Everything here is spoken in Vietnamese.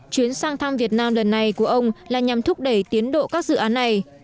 chuyến sang thăm việt nam lần này của ông là nhằm thúc đẩy tiến độ các dự án này